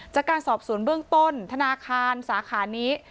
จากการสอบสวนเบื้องต้นธนาคารสาขานี้